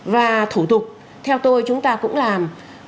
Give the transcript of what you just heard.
và thủ tục theo tôi chúng ta cũng làm